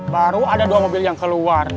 baru ada dua mobil yang keluar